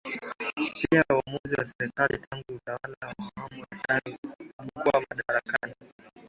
pia uamuzi wa serikali tangu utawala wa awamu ya tano ulipokuwa madarakani